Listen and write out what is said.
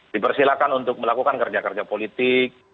dipersilakan untuk melakukan kerja kerja politik